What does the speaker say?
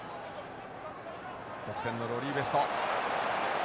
キャプテンのロリーベスト。